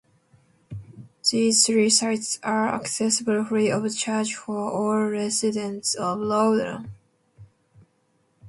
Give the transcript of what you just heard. These three sites are accessible free of charge for all residents of Rawdon.